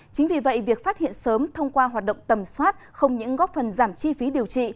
chính vì vậy việc phát hiện sớm thông qua hoạt động tầm soát không những góp phần giảm chi phí điều trị